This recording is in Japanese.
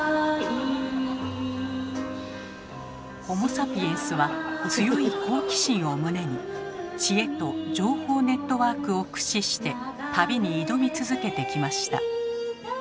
ホモ・サピエンスは強い好奇心を胸に知恵と情報ネットワークを駆使して旅に挑み続けてきました。